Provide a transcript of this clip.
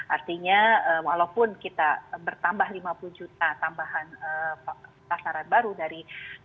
artinya walaupun kita bertambah lima puluh juta tambahan sasaran baru dari satu ratus empat puluh satu lima